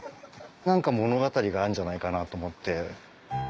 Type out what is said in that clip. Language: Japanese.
何か物語があるんじゃないかなと思って。